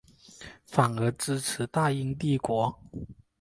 反而支持大英帝国。